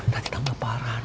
nanti tambah parah dang